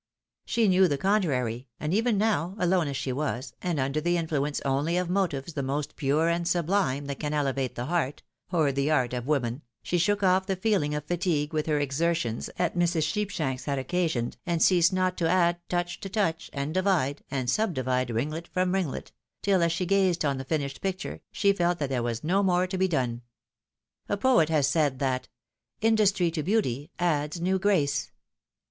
She knew the con trary, and even now, alone as she was, and under the influence only of motives the most pure and sublime that can elevate the heart (or the art) of woman, she shook off the feehng of fatigue which her exertions at Mrs. Sheepshanks's had occasioned, and ceased not to add touch to touch, and divide, and subdivide ringlet from ringlet, till, as she gazed on the finished picture, she felt that there was no more to be done ! A poet has said that Industry to teanty adds new grace.